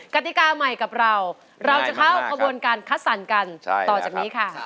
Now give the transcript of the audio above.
กติกาใหม่กับเราเราจะเข้าขบวนการคัดสรรกันต่อจากนี้ค่ะ